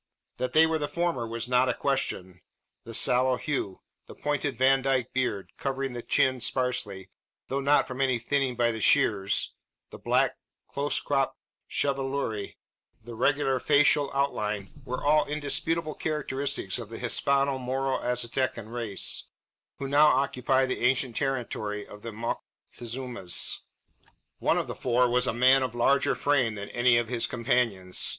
That they were the former there was not a question. The sallow hue; the pointed Vandyke beard, covering the chin, sparsely though not from any thinning by the shears the black, close cropped chevelure; the regular facial outline, were all indisputable characteristics of the Hispano Moro Aztecan race, who now occupy the ancient territory of the Moctezumas. One of the four was a man of larger frame than any of his companions.